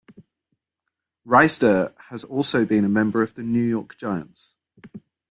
Wrighster has also been a member of the New York Giants.